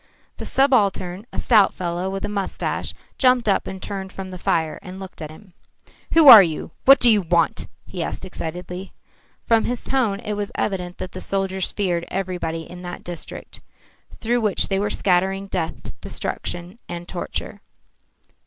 The subaltern, a stout fellow with a moustache, jumped up, turned from the fire, and looked at him. "Who are you? What do you want?" he asked excitedly. From his tone it was evident that the soldiers feared everybody in that district, through which they went scattering death, destruction and torture.